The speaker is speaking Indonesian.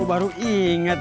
gue baru inget